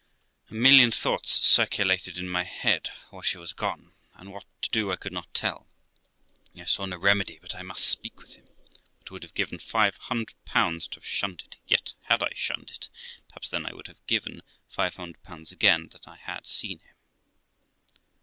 A million of thoughts circulated in ruy head while she was gone, and what to do I could not tell ; I saw no remedy but I must speak with him, but would have given 500 to have shunned it; yet had I shunned it, perhaps then I would have given 500 again that I had seen him.